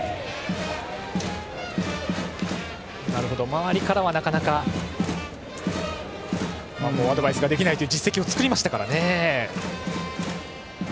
周りからはなかなかアドバイスができないという実績を作りましたから。